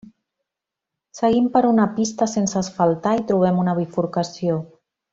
Seguim per una pista sense asfaltar i trobem una bifurcació.